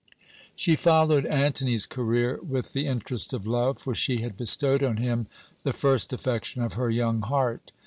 "She followed Antony's career with the interest of love, for she had bestowed on him the first affection of her young heart.